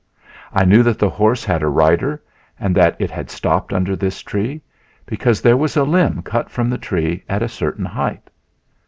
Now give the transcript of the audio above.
I knew that the horse had a rider and that it had stopped under this tree, because there was a limb cut from the tree at a certain height.